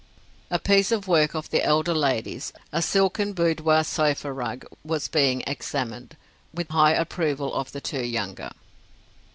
A piece of work of the elder ladies, a silken boudoir sofa rug, was being examined, with high approval of the two younger.